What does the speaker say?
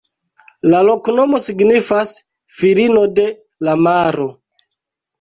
La loknomo signifas: filino de la maro.